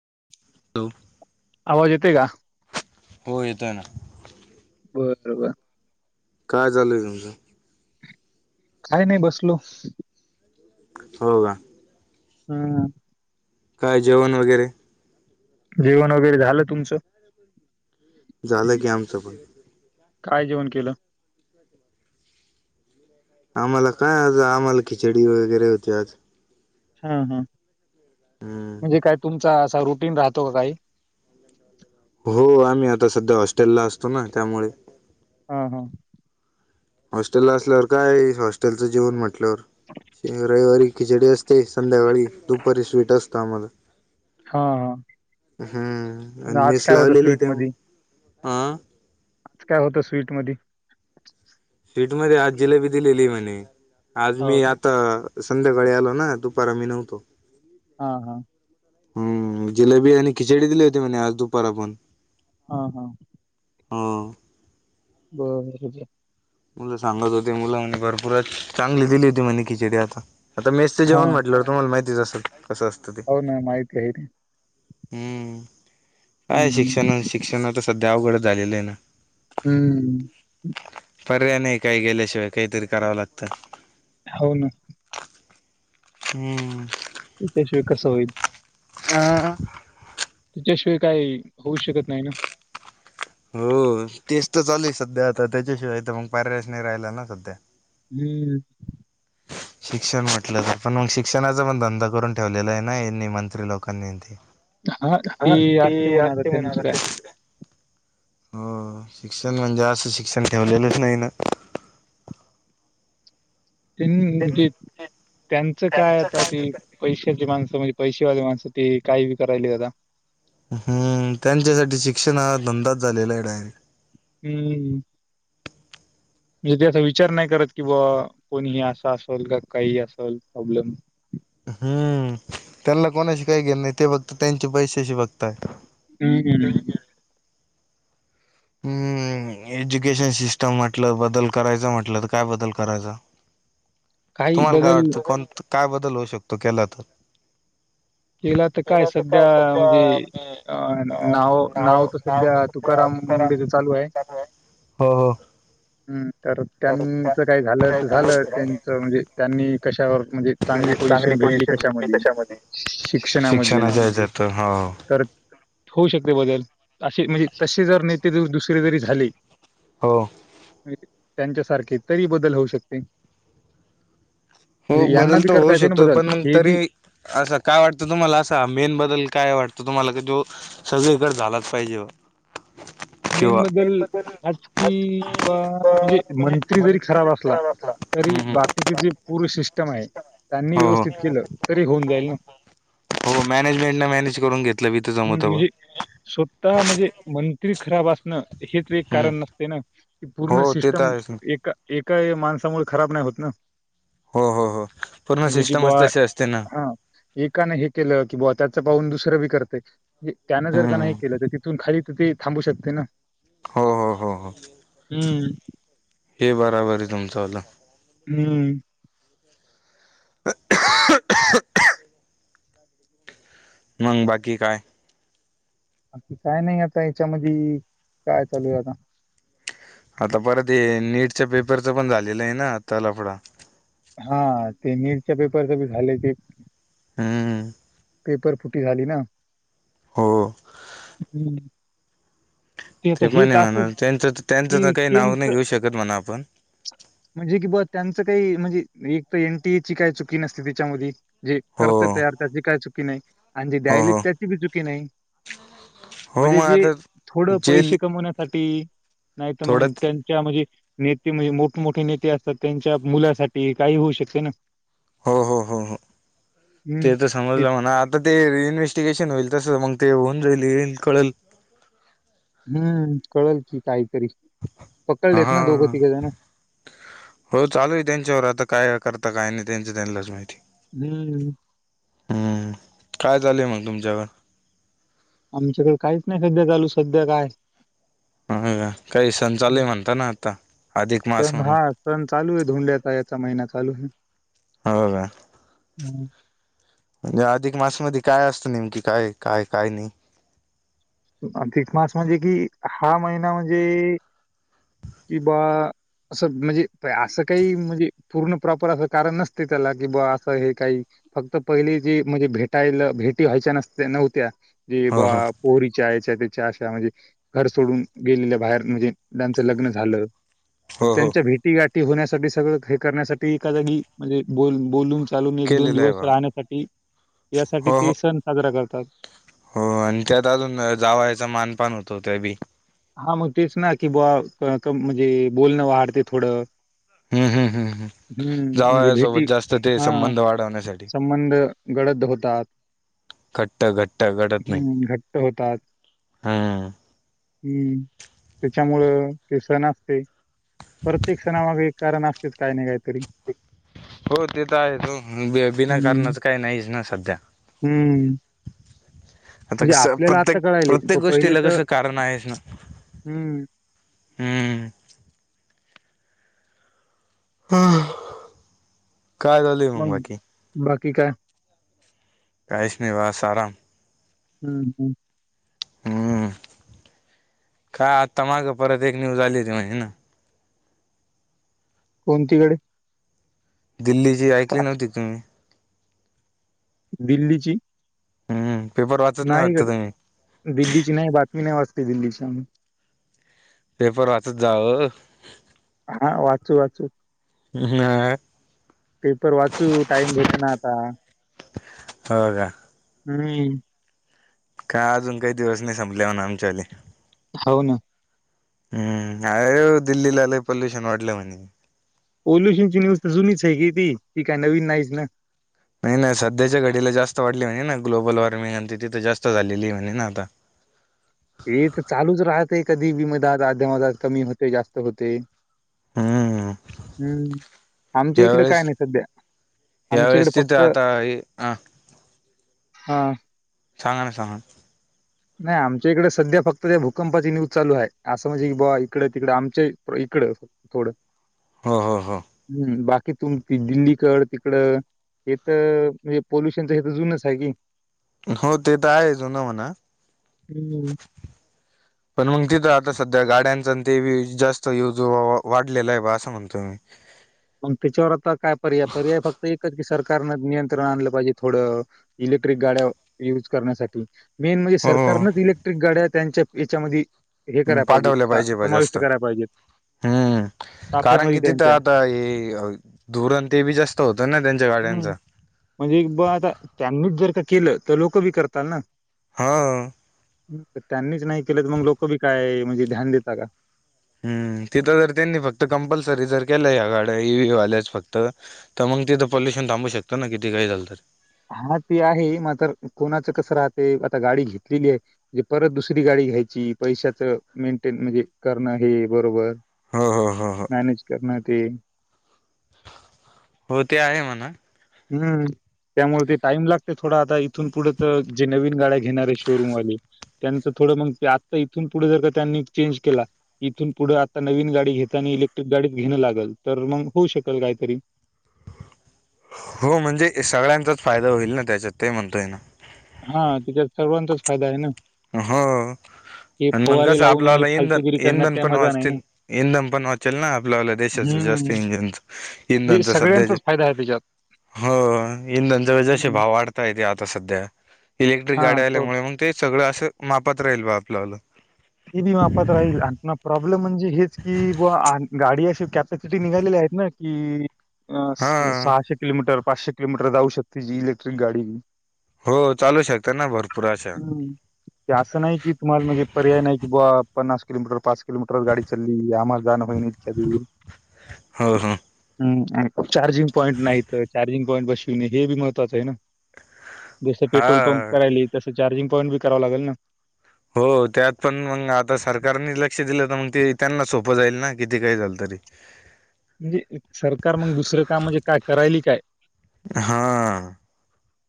Hello आवाज येतोय का हो येतोय ना बरबर काय चाललंय तुमचं काही नाही बसलो. हो का. हम्. काय जेवण वगैरे? जेवण वगैरे झालं, तुमचं? झालं की आमच पण. काय जेवण केलं? आम्हाला काय आज आम्हाला खिचडी वगैरे होते आज. हा हा. हम्म. म्हणजे काय तुम तुमचा असा रुटीन राहतो का काही? हो आम्ही आता सध्या हॉस्टेलला असतो ना त्यामुळे हम हम. हॉस्टेल ला असल्यावर काय हॉस्टेलचं जीवन म्हटत म्हटल्यावर रविवारी खिचडी असते संध्याकाळी दुपारी स्वीट असतं आम्हाला. हा हा हम्म मग आणि आज मेस काय होतं लावलेली स्वीट मध्ये तेव्हा आज काय होत स्वीट मधी? स्वीट मध्ये आज जिलेबी दिलेली म्हने. आज हो मी का आता आ संध्याकाळी आलो ना, दुपारा मी नव्हतो. हा हा हम्म जिलेबी आणि खिचडी दिली होती म्हणे आज दुपारा पण. हा हा. हो बर [unintelligible] मुलं सांगत होते मुलं भरपूर चांगली दिली होती म्हणे खिचडी आता. आता मेसच हा जेवण म्हटल्यावर तुम्हाला माहितीच असं [unintelligible] हो ना माहिती हाय ते. हम्म. काय शिक्षण हम्म न शिक्षण तर सध्या अवघड झालेलंय ना. हम्म. पर्याय नाही काही गेल्याशिवाय काहीतरी करावं लागतं. हो ना. हम्म. त्याच्याशिवी कस होईल? ह [inaudible] त्याशिवाय काही होऊ शकत नाही ना. हो तेच तर चालय सध्या आता त्याच्याशिवाय तर मग पर्यायच नाही राहिला ना सध्या. हम्म शिक्षण म्हटलं पण मग शिक्षणाचा पण धंदा करून ठेवलेलाय ना यांनी मंत्री लोकांनी न ती. हा ती अस्ती म्हणा आता त्यांच काय. हो शिक्षण म्हणजे असं शिक्षण ठेवलेलंच नाही ना. [unintelligible] त्यांचं काय आता ती पैशाची माणसं म्हण पैसेवाले माणस ते काय बी करायलेत आता. हम्म त्यांच्यासाठी शिक्षण हा धंदाच झालेलाय डायरे हम्म म्हणजे ते असा विचार नाही करत कि बा कोणीही असा असल का काही असल प्रॉब्लेम. हम्म त्यांना कोणाशी काही घेन नाही ते बघत त्यांचे पैशाशी बघ तात. [unintelligible] हम्म. हम् एज्युकेशन सिस्टम म्हटलं बदल करायच म्हटलं तर काय बदल करायचा? काही तुम्हाला काय बदल वाटत कोण काय बदल होऊ शकतो केला तर? केला तर काय सध्या म्हणजे अ नाव नाव तर सध्या तुकाराम मुंडेच चालू आहे हो हो हम् तर त्यांच काय झाल तर झालं त्यांचं म्हणजे त्यांनी कशावर चांगली पोझिशन भेटली कशामधी शिक्षणामध्ये शिक्षणाच्या हेजात तर हा. तर होऊ शकते बदल असे म्हणजे तसे जर नेते दुसरे जरी झाले हो. त्यांच्यासारखे तरी बदल होऊ शकते हो म्हणजे यांना बदल बी तर करता होऊ येते ना शकतो बदल पण हे तरी बी असा काय वाटतं तुम्हाला असा मेन बदल काय वाटतं तुम्हाला क जो सगळीकडे झालाच पाहिजे. मेन किंवा बदल आज कि म्हणजे मंत्री जरी खराब असला तरी हम्म हम्म बाकीचे जे पूर् सिस्टम आहे. त्यांनी हो हो व्यवस्थित केलं तरी होऊन जाईल ना. हो मॅनेजमेंटने मॅनेज करून घेतलं बी तर जमत बा म्हणजे स्वत म्हणजे मं तरी खराब असण हेच एक हम्म कारण नसते ना. पूर्ण हो ते तर सिस्टम आहेच ना एका एकाही माणसामुळे खराब नाही होत ना. हो हो हो पूर्ण म्हणजे कि बा सिस्टमच तशी असते ना हा एकानें हे केलं कि बा त्याच पाहून दुसरं बी करतेच जे त्यान जर का हम्म नाही केलं तर तिथून खाली तु की थांबू शकते ना. हो हो हो हो हं. हे बराबर आहे तुमच वाल. हम्म [unintelligible] मंग बाकी काय आती काय नाही आता याच्यामधी काय चालू आहे आता आता परत हे नेटच्या पेपरचं पण झालेलं आहे ना आता लफड हा ते नेटच्या पेपरच बी झाले ते. हम् पेपर फुटी झाली ना. हो हम्म ते पण हे म्हणा तेंच तेंचचं तर की काही नाव नाही त्यांचं घेऊ शकत म्हणा आपण. च कही म्हंजे एक त एनटीएची काय चुकी नसते तेच्यामधी जे हो करते तयार त्याची काय चुकी नाही आणि जे हो द्यायलेत हो त्याची बी चुकी नाही हो म्हणजे मग जे आता थोडं जेल पैसे कमवण्यासाठी ते नाही तर थोडं मग त्यांच्या म्हणजे नेते म्हणजे मोठमोठे नेते असतात त्यांच्या मुलासाठी ते काही होऊ शकते ना. हो हो हो हो हम्म ते तर ते- समजलं म्हणा आता ते इन्व्हेस्टिगेशन होईल. स मगतेऊन जाईली येल कळल. हम्म कळेल की काय हा जण हो चालू आहे त्यांच्यावर आता काय करत. आता काय नाही त्यांचं त्यांनाच माहिती हम हम्म काय चालेय मग तुमच्या आमच्याकडे काहीच नाही सध्या चालू सध्या काय हो का काही सण चालू आहे म्हणता ना आता अधिक मास सण म्हणून हा सण चालू आहे धोंड्याचा याचा महिना चालू आहे. हो का हम्म. म्हणे अधिक मास मध्ये काय असतं नेमकी काय काय काय नाही. अधिक मास म्हणजे कि हा महिना म्हणजे कि बा असं म्हणजे असं काही म्हणजे पूर्ण प्रॉपर असं कारण नसते त्याला कि बा असं हे काही फक्त पहिले जे म्हणजे भेटायला भेटी व्हायच्या नसत्या नव्हत्या. जी बा हो हो पोरी च्या त्याच्या अशा म्हणजे घर सोडून गेलेल्या बाहेर म्हणजे त्यांचं लग्न झालं. तर हो हो त्यांच्या भेटी गाठी ते होण्यासाठी सगळं हे करण्यासाठी एखा जागी म्हणजे बोल बोलून चालून एक दोन केलेलं आहे दिवस बा राहण्यासाठी यासाठी हो ते हो सण साजरा करत. त हो आणि त्यात अजून जावायच मानपण होत ते बी हा मग तेच ना की बा म्हणजे बोलणं वाडते थोडं हम्म हम् हम्म हम् हम्म म्हणजे जावया भेटी सोबत जास्त ते हा संबंध वाढवण्यासाठी संबंध गडद होतात घट्ट घट्ट घडत नाही हम्म घट्ट होतात हम्म हम्म त्याच्यामुळं ते सण असते. प्रत्येक सणामधील कारण असतेच काही नाही काहीतरी हो ते तर आहे त हम्म बिनाकारणाच काही नाहीच ना सध्या हम्म आता म्हणजे कस आपल्याला आता प्रत्येक कळायले प्रत्येक तो पहिले गोष्टीला तर कसं कारण आहेस ना हम्म हम्म हम काय झालंय मग बाकी ठीक हाय काहीच नाही ब असं आराम हम्म हम्म हम्म काय आता माग परत एक न्यूज आली र माहि ना कोणतीकडे दिल्लीची ऐकली नव्हती तुम्ही दिल्लीची हम्म पेपर वाचत नाही वाटत तुम्ही कडे दिल्लीची नाही बातमी नाही वाचते दिल्लीशान पेपर वाचत जावं हो हा पेपर वाचू टाइम भेट ना आता हो का हम्म का अजून काही दिवस नाही संपल्या म्हणा आमच्याले हो ना हम्म अे दिल्लीला ल पॉल्युशन वाढलं म्हणे पॉोल्युशन ची न्यूज तर जुनीच आहे की ती ती काय नवीन नाहीच ना नाही नाही सध्याच्या घडीला जास्त वाढली म्हणेज ना ग्लोबल वॉर्मिंग आणि तिथं जास्त झालेली म्हणे ना आता हे तर चालूच राहत आहे कधी विमदात अध्यामदात कमी होते जास्त होते हम्म हम्म यावेेळेस आमच्या इकडे यावेेळेस तिथे फक्त आता हे अ हा सां ना सांगा नाही आमच्या इकडे सध्या फक्त त्या भूकंपाची न्यूज चालू आहे असं म्हणजे की बा इकडे तिकडे आमच्या इकडं थोडं ह ह ह कि तुम दिल्लीकड तिकड हे तर म्ह. णजे पॉोल्युशनच हे तर जुूनच आहे की हो ते तर आहे जुनं म्हणा हं. [inaudible] पण मग तिथ आता सध्या गाड्यांचा ते जास्त युज वाढलेला आहे बा असं म्हणतोय मी पण त्याच्यावर आता काय पर्याय? पर्याय फक्त एकच की सरकारनं नियंत्रण आणलं पाहिजे थोडं इलेक्ट्रिक गाड्या युज करण्यासाठी मेन म्हणजे सरकारनच हो इलेक्ट्रिक गाड्या त्यांच्या याच्यामध्ये हे करायला पाहिजेत पाठवलं सा- पाहिजे समाविष्ट जास्त करायला पाहिजेत हम् कारण ताफ्यामध्ये की तिथं त्यांच्या आता ते धुरण ते बी जास्त होत ना त्यांच्या हम्म. गाड्यांचा म्हणजे ब आता त्यांनीच जर का केलं तर लोक बी करतात ना, हा... त्यांनीच नाही केलं तर मग लोक बी काय? म्हणजे ध्यान देेतात का? हम्म तिथं जर त्यांनी फक्त कंपल्सरी जर केल्या या गाड्या ई व्ही आल्याच फक्त तर मग तिथं पोल्युशन थांबू शकतो ना किती काही झालंल तरी? हा ते आहे मात्र कोणाचं कस राहते आता गाडी घेतलेली आहे म्हजे परत दुसरी गाडी घ्यायची पैशाच मेंटेन म्हणजे करणं हे बरोबर. हो हो हो हो मॅनेज करणार ते [inaudible] हो ते आहे म्हणा हम्म त्यामुळे ते टाईम लागते थोडा आता इथून पुढ तर जे नवीन गाड्या घेणार आहे शोरूम वाले त्यांचं थोडं मग, ते आता इथून पुढं जर का त्यांनी चेंज केला. इथून पुढं आता नवीन गाडी घेता, आणि इलेक्ट्रिक गाडीच घेणं लागल, तर मग होऊ शकल काहीतरी [inaudible] हो म्हणजे सगळ्यांचाच फायदा होईल ना त्याच्यात ते म्हणतोय ना हा त्याच्यात सर्वांचाच फायदा आहे ना हो हे आणि मग फवारे कसं लावून आणि आपल्याला इंधन फालतुगिरी करण्यात इंधन काही पण मजा नाही ना वाचतील. इंधन पण वाचेल ना आपल्याला देशाच हम्म जास्त इंधनच, म्हणजे इंधनच सध्याचे सगळ्यांचाच फायदा आहे त्याच्यात हो इंधनचा जसजसे हम्म भाव वाढता आहे आता सध्या इलेक्ट्रिक हा गाडी तर आल्यामुळे मग ते सगळं अस मापात राहील बा आपल्यावाल ते बी मापात राहील, आणि प्रॉब्लेम म्हणजे हेच कि, ब गाडी अशी कॅपॅसिटी निघालेली आहेत ना कि अ हा सहाशे किलोमीटर पाचशे किलोमीटर जाऊ शकते जी इलेक्ट्रिक गाडी हो चालू शकता ना भरपूर अशा हम्म ते असं नाही की तुम्हाला म्हणजे पर्याय नाही‌. पन्नास किलोमीटर पाच किलोमीटर गाडी चालली आम्हाला जाणं होई ना इतक्या दूर हो हो हम्म चार्जिंग पॉईंट नाही तर चार्जिंग पॉईंट बसविणे हे बी महत्वाचं आहे ना जस हा पेट्रोल पंप करायले तसं चार्जिंग पॉईंट बी करावं लागल ना हो त्यात पण मग आता सरकारनी लक्ष दिलं ना मग ते त्यांना सोपं जाईल ना किती काही झाल तरी म्हणजे सरकार मग दुसरं काम म्हणजे काय? करायली काय हा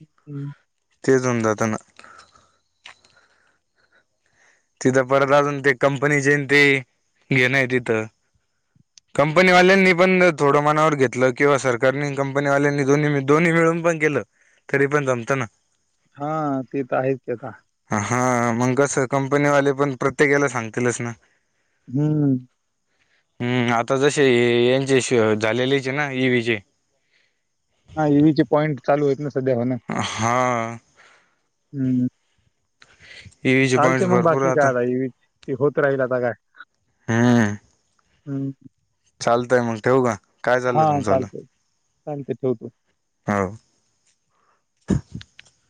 [unintelligible] तिथून जाताना तिथं परत अजून ते कंपनी चे तेन हे नाही तिथं कंपनी वाल्यांनी पण थोडं मनावर घेतलं किंवा सरकारनी कंपनी वाल्यांनी दोन्ही दोन्ही मिळून पण केलं तरी पण जमतं ना हा ते तर आहेच की आता हा मग कस कंपनी वाले पण प्रत्येकला सांगतीलच ना हम्म हम्म आता जसे हे यांचे झालेलेच ये ना हा हेवी चे पॉइट चालू येत ना सध्या हो ना हा हम्म ह चालते मग बाकी काय आता ते होत राहील आता काय हम्म चालतय मग ठेवू का काय झालं तुमच्या वाल चालतय ठेवतो. [inaudible]